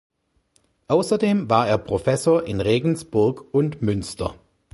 Außerdem war er Professor in Regensburg und Münster.